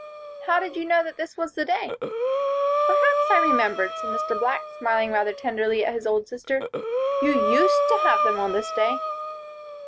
"How did you know that this was the day?" "Perhaps I remembered," said Mr. Black, smiling rather tenderly at his old sister. "You used to have them on this day."